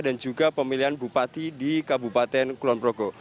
dan juga pemilihan bupati di kabupaten kulonprogo